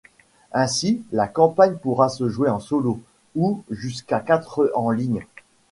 Ainsi, la campagne pourra se jouer en solo, ou jusqu'à quatre en ligne.